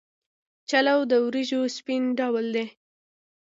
چلو د وریجو سپین ډول دی.